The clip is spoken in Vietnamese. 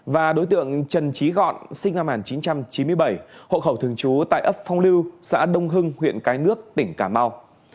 và đối tượng trần trí gọn sinh năm một nghìn chín trăm chín mươi bảy hộ khẩu thường trú tại ấp phong lưu xã đông hưng huyện cái nước tỉnh cà mau